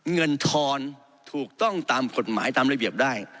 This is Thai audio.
ทอนถูกต้องตามกฎหมายตามระเบียบได้